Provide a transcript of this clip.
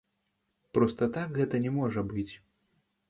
Проста так гэта не можа быць.